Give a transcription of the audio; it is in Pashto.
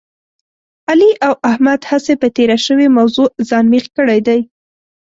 علي او احمد هسې په تېره شوې موضوع ځان مېخ کړی دی.